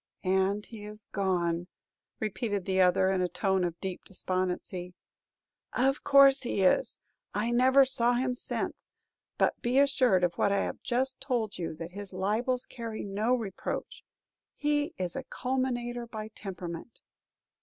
"And he is gone!" repeated the other, in a tone of deep despondency. "Of course he is. I never saw him since; but be assured of what I have just told you, that his libels carry no reproach. He is a calumniator by temperament."